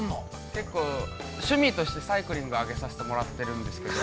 ◆結構趣味として、サイクリングさせてもらっているんですけれども。